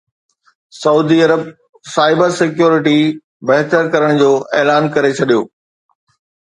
سعودي عرب cyber security بهتر ڪرڻ جو اعلان ڪري ڇڏيو آهي